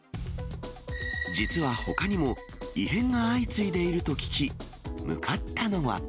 実はほかにも、異変が相次いでいると聞き、向かったのは。